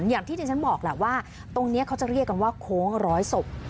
อย่างที่ที่ฉันบอกแหละว่าตรงนี้เขาจะเรียกกันว่าโค้งร้อยศพ